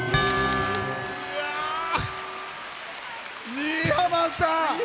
新浜さん！